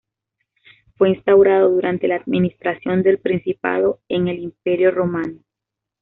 Fue instaurado durante la administración del Principado en el Imperio romano.